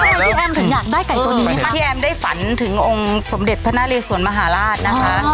แล้วตัวเนี้ยครูแอมถึงอยากได้ไก่ตัวนี้ค่ะครับพี่แอมได้ฝันถึงองค์สมเด็จพระนาเรศวรมหาราชนะคะ